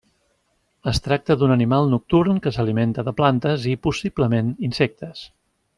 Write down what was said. Es tracta d'un animal nocturn que s'alimenta de plantes i, possiblement, insectes.